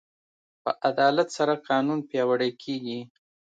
په عدالت سره قانون پیاوړی کېږي.